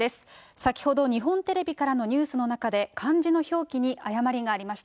先ほど、日本テレビからのニュースの中で、漢字の表記に誤りがありました。